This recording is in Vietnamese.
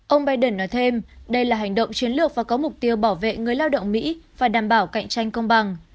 ông biden nói thêm đây là hành động chiến lược và có mục tiêu bảo vệ người lao động mỹ phải đảm bảo cạnh tranh công bằng